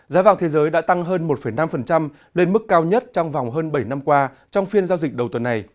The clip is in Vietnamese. giá vàng thế giới đã tăng hơn một năm lên mức cao nhất trong vòng hơn bảy năm qua trong phiên giao dịch đầu tuần này